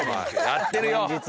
やってるよ。